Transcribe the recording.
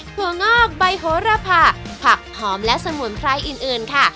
วงอกใบโหระพาผักหอมและสมุนไพรอื่นค่ะ